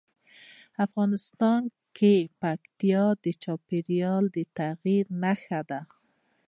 افغانستان کې پکتیا د چاپېریال د تغیر نښه ده.